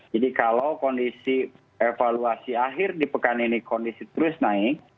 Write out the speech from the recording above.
jadi kalau kondisi evaluasi akhir di pekan ini kondisi terus naik